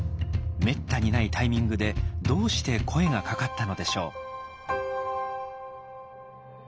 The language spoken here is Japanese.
めったにないタイミングでどうして声がかかったのでしょう。